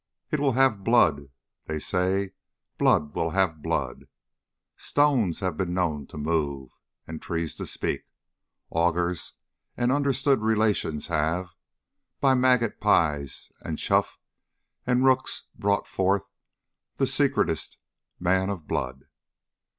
It will have blood: they say, blood will have blood. Stones have been known to move, and trees to speak; Augurs and understood relations have, By magot pies and choughs and rooks, brought forth The secret'st man of blood.